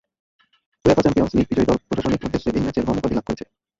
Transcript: UEFA champions league বিজয়ী দল প্রশাসনিক উদ্দেশ্যে এই ম্যাচের "হোম" উপাধি লাভ করেছে।